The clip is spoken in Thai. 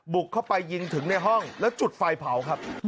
บุกเข้าไปยิงถึงในห้องแล้วจุดไฟเผาครับ